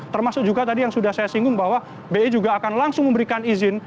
termasuk juga tadi yang sudah saya singgung bahwa bi juga akan langsung memberikan izin